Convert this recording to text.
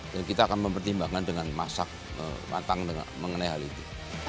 dan kita akan mempertimbangkan dengan masak matang mengenai hal itu